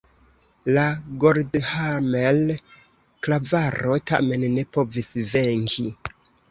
La Goldhammer-klavaro tamen ne povis venki.